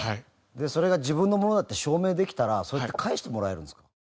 それが自分のものだって証明できたらそれって返してもらえるんですか？